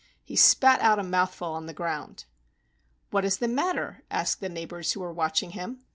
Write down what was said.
He spat out a mouthful on the ground. "What is the matter?" asked the neighbors who were watching him.